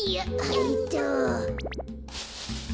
えいっと。